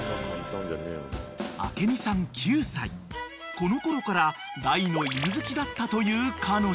［このころから大の犬好きだったという彼女］